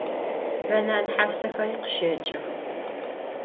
Banan hasexeri khışeç'ıx.